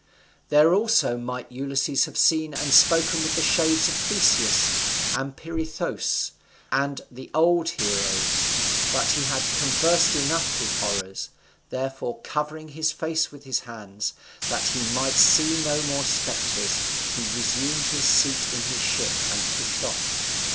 There also might Ulysses have seen and spoken with the shades of Theseus, and Pirithous, and the old heroes; but he had conversed enough with horrors; therefore, covering his face with his hands, that he might see no more spectres, he resumed his seat in his ship, and pushed off.